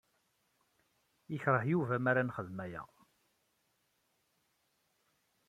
Yekreh Yuba mi ara nxeddem aya.